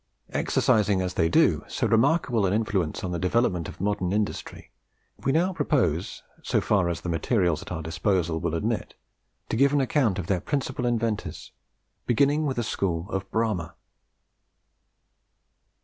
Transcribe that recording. Exercising as they do so remarkable an influence on the development of modern industry, we now propose, so far as the materials at our disposal will admit, to give an account of their principal inventors, beginning with the school of Bramah.